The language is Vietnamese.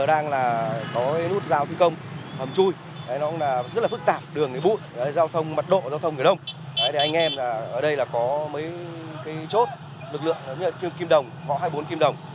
anh em ở đây có mấy chốt lực lượng kim đồng có hai mươi bốn kim đồng